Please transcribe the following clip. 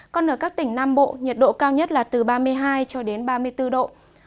còn ở các tỉnh nam bộ nhiệt độ cao nhất là từ ba mươi hai cho đến ba mươi bốn độ